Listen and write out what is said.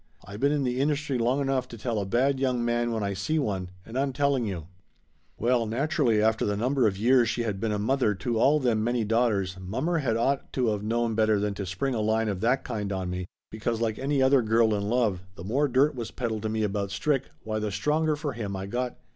I been in the industry long enough to tell a bad young man when I see one, and I'm telling you !" Well naturally, after the number of years she had been a mother to all them many daughters, mommer had ought to of known better than to spring a line of that kind on me, because like any other girl in love, the more dirt was peddled to me about Strick, why the stronger for him I got.